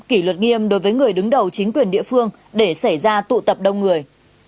kỷ luật nghiêm đối với người đứng đầu chính quyền địa phương để xảy ra tụ tập đông người